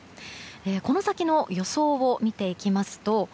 この先の予想を見ていきますと